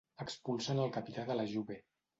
Expulsen el capità de la Juve.